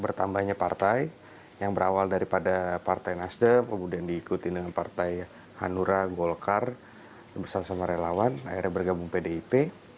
bertambahnya partai yang berawal daripada partai nasdem kemudian diikuti dengan partai hanura golkar bersama sama relawan akhirnya bergabung pdip